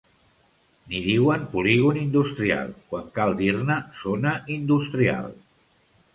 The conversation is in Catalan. N'hi diuen Polígon Industrial, quan cal dir-ne Zona Industrial